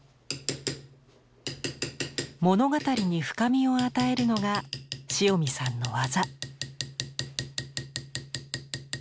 物語に深みを与えるのが塩見さんの技。